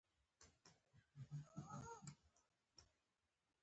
د افغانستان د اقتصادي پرمختګ لپاره پکار ده چې بازارونه کنټرول شي.